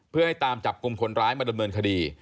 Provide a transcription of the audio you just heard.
เพื่อให้ตามจับกลุ่มคนร้ายมาดำเนินคดี